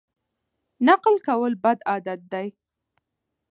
نقل کول بد عادت دی.